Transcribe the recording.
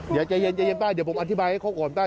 เดี๋ยวใจเย็นใจเย็นป้าเดี๋ยวผมอธิบายให้เขาก่อนได้